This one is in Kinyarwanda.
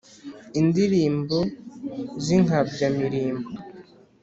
Indirimbo z'inkabya-mirimbo